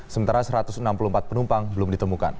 sementara satu ratus enam puluh empat penumpang belum ditemukan